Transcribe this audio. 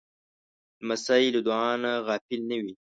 لمسی له دعا نه غافل نه وي.